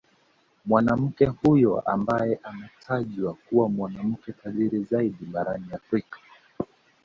Mwanamke huyo ambaye ametajwa kuwa mwanamke tajiri zaidi barani Afrika